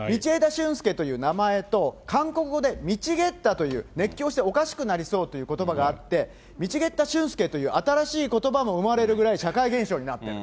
駿佑という名前と、韓国語で、ミチゲッタという、熱狂しておかしくなりそうということばがあって、ミチゲッタシュンスケという、新しいことばも生まれるぐらい、社会現象になってる。